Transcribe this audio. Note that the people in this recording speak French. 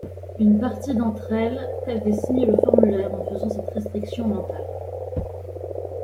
Une partie d'entre elles avait signé le Formulaire en faisant cette restriction mentale.